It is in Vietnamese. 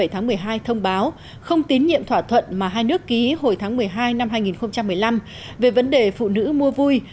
tháng một mươi hai thông báo không tín nhiệm thỏa thuận mà hai nước ký hồi tháng một mươi hai năm hai nghìn một mươi năm về vấn đề phụ nữ mua vui